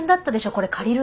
これ借りるの。